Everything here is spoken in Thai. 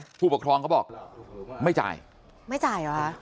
ผู้ปกครองเขาบอกไม่จ่ายไม่จ่ายเหรอคะ